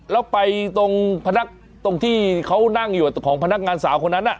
แล้วไปตรงพนักตรงที่เขานั่งอยู่ของพนักงานสาวคนนั้น